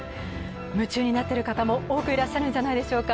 夢中になっている方も多くいらっしゃるんじゃないでしょうか。